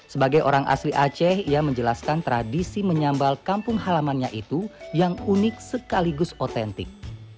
sebagai orang asli aceh ia menjelaskan tradisi menyambal kampung halamannya itu yang unik sekaligus otentik